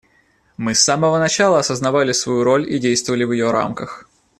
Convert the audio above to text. Мы с самого начала осознавали свою роль и действовали в ее рамках.